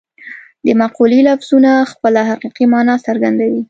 د مقولې لفظونه خپله حقیقي مانا څرګندوي